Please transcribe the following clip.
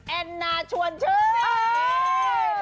แอนนาชวนชื่น